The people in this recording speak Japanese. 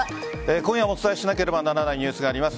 今夜もお伝えしなければならないニュースがあります。